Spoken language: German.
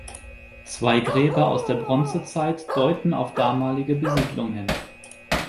Zwei Gräber aus der Bronzezeit deuten auf damalige Besiedlung hin.